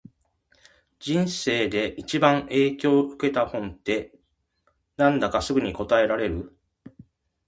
人生で一番影響を受けた本って、何だったかすぐに答えられる？